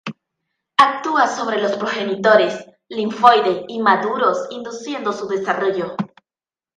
Actúa sobre los progenitores linfoide inmaduros, induciendo su desarrollo.